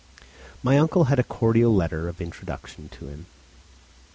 My uncle had a cordial letter of introduction to him.